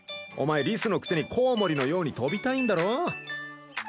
お前リスのくせにコウモリのように飛びたいんだろ？